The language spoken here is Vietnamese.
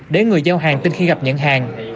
để người giao hàng tin khi gặp nhận hàng